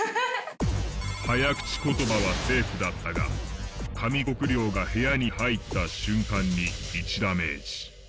早口言葉はセーフだったが上國料が部屋に入った瞬間に１ダメージ。